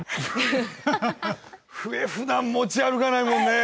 笛ふだん持ち歩かないもんね。